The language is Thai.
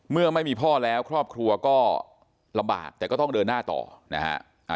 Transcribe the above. เมื่อไม่มีพ่อแล้วครอบครัวก็ลำบากแต่ก็ต้องเดินหน้าต่อนะฮะ